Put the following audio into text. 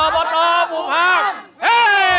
อบตบบุพรามเฮ้ย